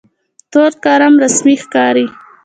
تور قلم رسمي ښکاري.